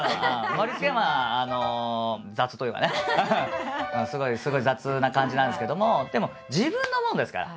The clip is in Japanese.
盛りつけはまああの雑というかねすごい雑な感じなんですけどもでも自分のものですから。